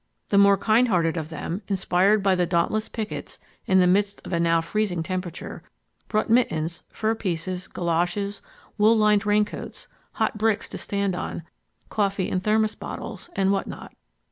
The more kind hearted of them, inspired by the dauntless pickets in the midst of a now freezing temperature, brought mittens, fur pieces, golashes, wool lined raincoats: hot bricks to stand on, coffee in thermos bottles and what not.